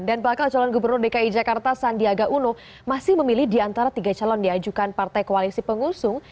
dan bakal calon gubernur dki jakarta sandiaga uno masih memilih di antara tiga calon diajukan partai koalisi pengusung